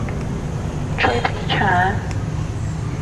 脆皮腸